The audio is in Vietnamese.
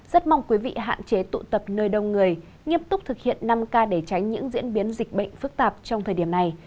rất mong quý vị hạn chế tụ tập nơi đông người nghiêm túc thực hiện năm k để tránh những diễn biến dịch bệnh phức tạp trong thời điểm này